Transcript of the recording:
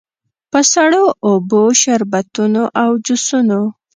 په سړو اوبو، شربتونو او جوسونو.